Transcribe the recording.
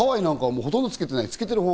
ハワイなんかほとんどつけてない。